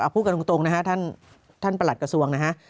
พูดกันตรงนะฮะท่านประหลัดกระทรวงนะฮะ